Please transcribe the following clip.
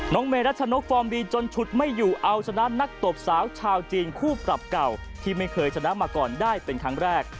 เมรัชนกฟอร์มดีจนฉุดไม่อยู่เอาชนะนักตบสาวชาวจีนคู่ปรับเก่าที่ไม่เคยชนะมาก่อนได้เป็นครั้งแรก